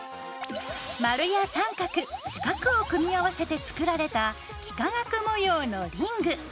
マルや三角四角を組み合わせて作られた「幾何学模様のリング」。